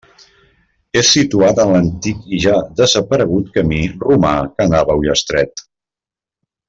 És situat en l'antic i ja desaparegut camí romà que anava a Ullastret.